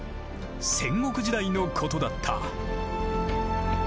戦国時代のことだった。